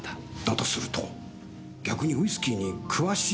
だとすると逆にウイスキーに詳しい人間ですね。